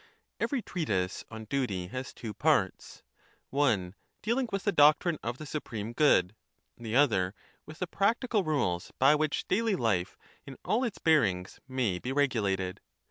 Every treatise on duty has two parts : one, deal ciassification ing with the doctrine of the supreme good ; the other, °*^^^'^^ with tlie practical rules by which daily hfe in all its bearings may be regulated.